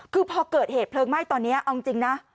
คือพอเกิดเหตุเพลิงไหม้ตอนนี้เอาจริงนะ